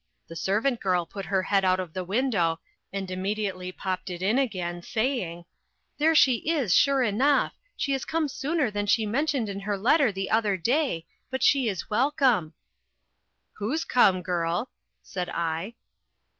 The servant girl put her head out of the window, and immediately popped it in again, saying,—"There she is, sure enough; she is come sooner than she mentioned in her letter the other day, but she is welcome!" "Who's come, girl?" said I.